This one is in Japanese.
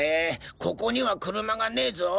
ここには車がねえぞ。